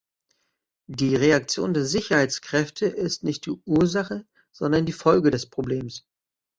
Die Reaktion der Sicherheitskräfte ist nicht die Ursache, sondern die Folge des Problems.